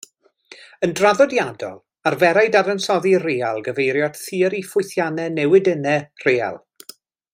Yn draddodiadol, arferai dadansoddi real gyfeirio at theori ffwythiannau newidynnau real.